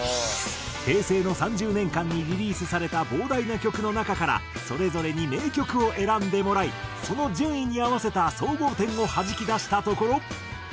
平成の３０年間にリリースされた膨大な曲の中からそれぞれに名曲を選んでもらいその順位に合わせた総合点をはじきだしたところ。